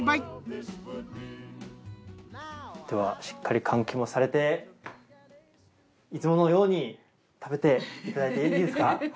しっかり換気もされていつものように食べていただいていいですか？